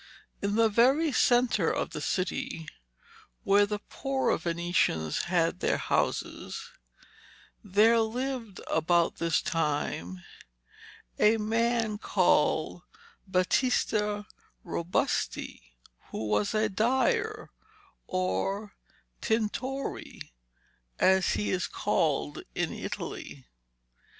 In the very centre of the city where the poorer Venetians had their houses, there lived about this time a man called Battista Robusti who was a dyer, or 'tintore,' as he is called in Italy.